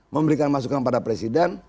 memberikan masukan pada presiden